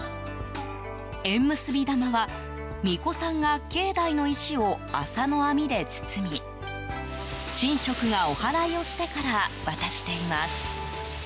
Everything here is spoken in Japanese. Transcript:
縁結び玉は、巫女さんが境内の石を麻の網で包み神職がおはらいをしてから渡しています。